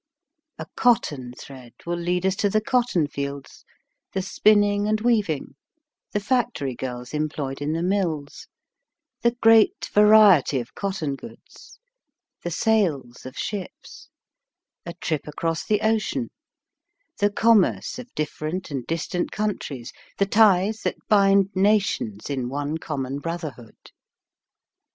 * A cotton thread will lead us to the cotton fields, the spinning and weav ing, the factory girls employed in the 82 MIND, MATTER mills, the great variety of cotton goods, the sails of ships, a trip across the ocean, the commerce of different and distant countries, the ties that bind nations in one common brotherhood.